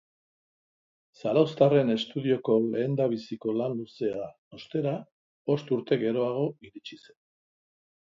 Zarauztarren estudioko lehendabiziko lan luzea, ostera, bost urte geroago iritsi zen.